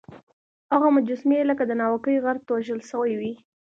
هغه مجسمې لکه د ناوکۍ غر توږل سوی وې.